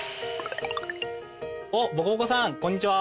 おっぼこぼこさんこんにちは。